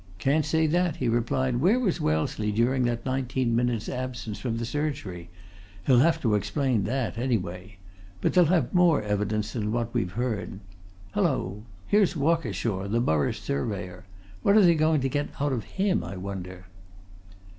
"Can't say that," he replied. "Where was Wellesley during that nineteen minutes' absence from the surgery? He'll have to explain that anyway. But they'll have more evidence than what we've heard. Hello! here's Walkershaw, the Borough Surveyor! What are they going to get out of him, I wonder?"